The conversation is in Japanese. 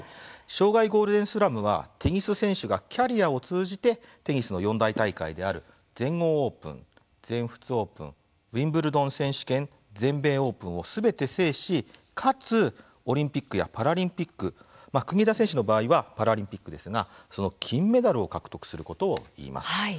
生涯ゴールデンスラムはテニス選手がキャリアを通じてテニスの四大大会である全豪オープン、全仏オープンウィンブルドン選手権全米オープンをすべて制し、かつオリンピックやパラリンピック国枝選手の場合はパラリンピックですがその金メダルを獲得することをいいます。